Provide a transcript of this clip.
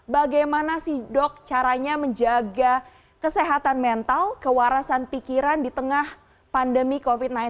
bagaimana sih dok caranya menjaga kesehatan mental kewarasan pikiran di tengah pandemi covid sembilan belas